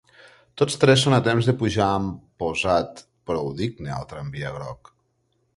Tots tres són a temps de pujar amb posat prou digne al tramvia groc.